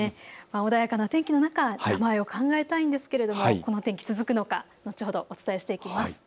穏やかな天気の中、名前を考えたいんですけれどもこの天気続くのか、お伝えしていきます。